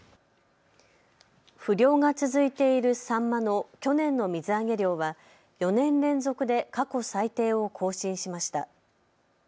不漁が続いているサンマの去年の水揚げ量は４年連続で過去最低を更新しました。